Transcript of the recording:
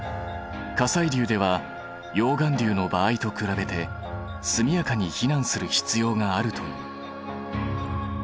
火砕流では溶岩流の場合と比べて速やかに避難する必要があるという。